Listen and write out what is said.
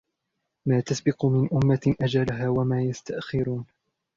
مَا تَسْبِقُ مِنْ أُمَّةٍ أَجَلَهَا وَمَا يَسْتَأْخِرُونَ